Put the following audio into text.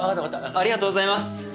ありがとうございます！